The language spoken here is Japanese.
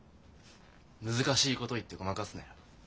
難しいこと言ってごまかすなよ。